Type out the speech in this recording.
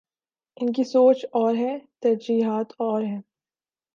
ان کی سوچ اور ہے، ترجیحات اور ہیں۔